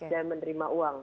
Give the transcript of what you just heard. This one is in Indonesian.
dan menerima uang